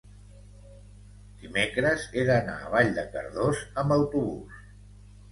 dimecres he d'anar a Vall de Cardós amb autobús.